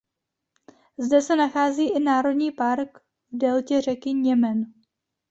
Zde se nachází i Národní park v deltě řeky Němen.